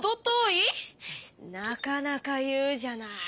なかなか言うじゃない！